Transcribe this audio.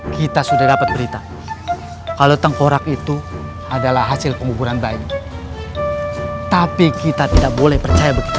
kita sudah dapat berita kalau tengkorak itu adalah hasil penguburan bayi tapi kita tidak boleh percaya begitu